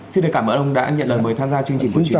xin cảm ơn ông đã nhận lời mời tham gia chương trình của chúng tôi